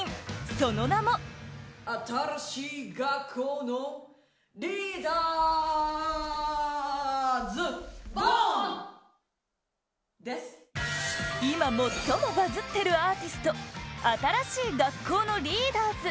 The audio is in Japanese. その名も今、最もバズってるアーティスト新しい学校のリーダーズ